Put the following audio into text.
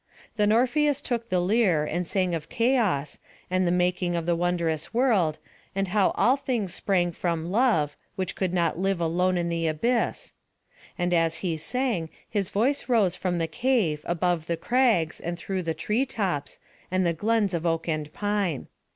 Then Orpheus took the lyre, and sang of Chaos, and the making of the wondrous World, and how all things sprang from Love, who could not live alone in the Abyss. And as he sang, his voice rose from the cave, above the crags, and through the tree tops, and the glens of oak and pine.